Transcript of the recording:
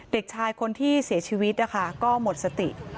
เด็กชายคนที่เสียชีวิตนะคะก็หมดสติ